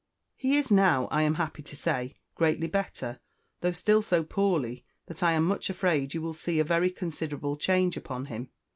He is now, I am Happy to say, greatly Better, though still so Poorly that I am much afraid you will see a very Considerable change upon him.